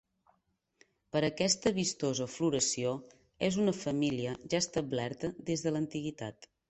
Per aquesta vistosa floració és una família ja establerta des de l'antiguitat.